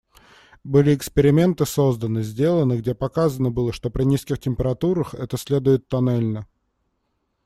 Были эксперименты созданы, сделаны, где показано было, что при низких температурах это следует тоннельно.